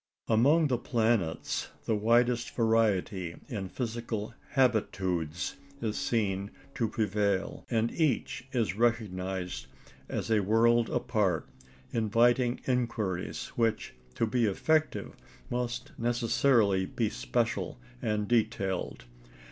Among the planets the widest variety in physical habitudes is seen to prevail, and each is recognised as a world apart, inviting inquiries which, to be effective, must necessarily be special and detailed.